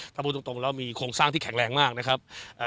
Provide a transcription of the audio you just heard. ถ้าพูดตรงแล้วมีโครงสร้างที่แข็งแรงมากนะครับ